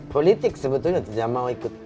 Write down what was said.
politik sebetulnya tidak mau ikut